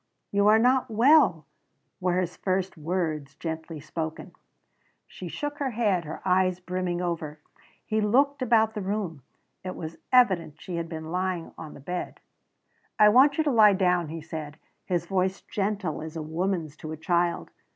"You are not well," were his first words, gently spoken. She shook her head, her eyes brimming over. He looked about the room. It was evident she had been lying on the bed. "I want you to lie down," he said, his voice gentle as a woman's to a child.